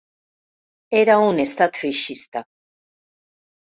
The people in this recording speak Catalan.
Era un estat feixista.